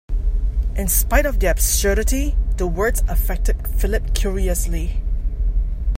In spite of their absurdity the words affected Philip curiously.